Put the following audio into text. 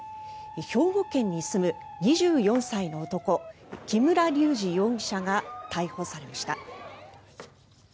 兵庫県に住む２４歳の男木村隆二容疑者が逮捕されました。